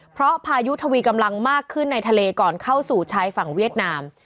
เพราะพายุทวีกำลังมากขึ้นในทะเลก่อนเข้าสู่ชายฝั่งเวียดนาม